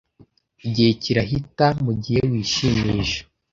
Igihe kirahita mugihe wishimisha.